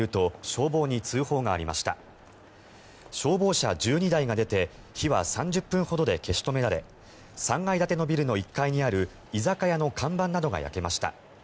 消防車１２台が出て火は３０分ほどで消し止められ３階建てのビルの１階にある居酒屋の看板などが焼けました。